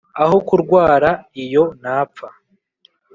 aho kurwara iyo napfa